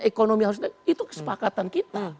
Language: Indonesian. ekonomi harus itu kesepakatan kita